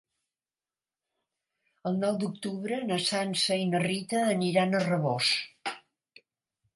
El nou d'octubre na Sança i na Rita aniran a Rabós.